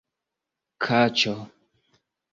kaĉo